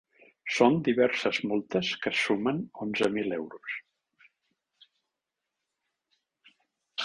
Són diverses multes que sumen onze mil euros.